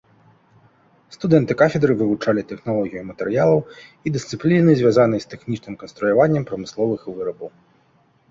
Студэнты кафедры вывучалі тэхналогію матэрыялаў і дысцыпліны звязаныя з тэхнічным канструяваннем прамысловых вырабаў.